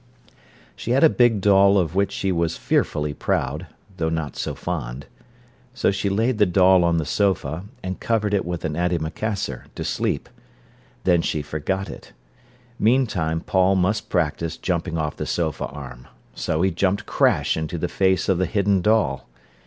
She had a big doll of which she was fearfully proud, though not so fond. So she laid the doll on the sofa, and covered it with an antimacassar, to sleep. Then she forgot it. Meantime Paul must practise jumping off the sofa arm. So he jumped crash into the face of the hidden doll.